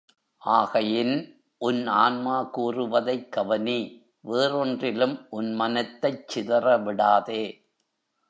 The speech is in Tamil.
ஆகையின் உன் ஆன்மா கூறுவதைக் கவனி வேறொன்றிலும் உன் மனத்தைச் சிதற விடாதே.